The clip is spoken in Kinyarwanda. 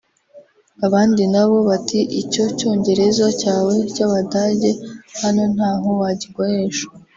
Abandi nabo bati icyo cyongereza cyawe cy’Abadage hano ntaho wagikoresha